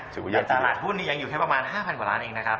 ตลาดหุ้นยังอยู่แค่ประมาณ๕๐๐กว่าล้านเองนะครับ